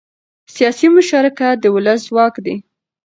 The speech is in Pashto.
سیاسي مشارکت د ولس ځواک دی